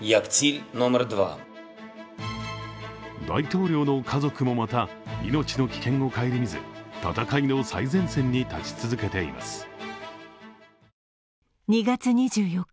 大統領の家族もまた命の危険を顧みず戦いの最前線に立ち続けています。